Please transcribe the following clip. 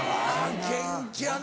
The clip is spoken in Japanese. ・元気やな。